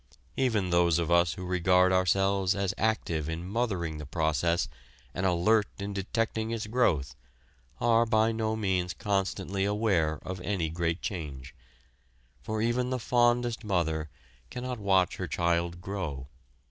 Even those of us who regard ourselves as active in mothering the process and alert in detecting its growth are by no means constantly aware of any great change. For even the fondest mother cannot watch her child grow.